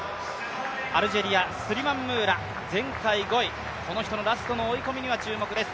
アルジェリア、スリマン・ムーラ、前回５位、この人のラストの追い込みには注目です。